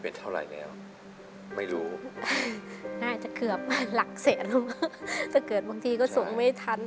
น่าจะเกือบหลักเศษถ้าเกิดบางทีก็ส่งไม่ทัน